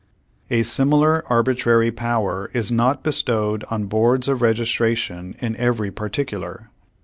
A similar arbitrary povv^er is not bestowed on Boards of Registration in every particular.